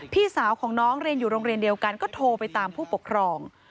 พี่สาวของน้องเรียนอยู่โรงเรียนเดียวกันก็โทรไปตามผู้ปกครอง